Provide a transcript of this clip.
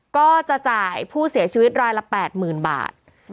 ก็จะจ่ายผู้เสียชีวิตรายละ๘๐๐๐บาท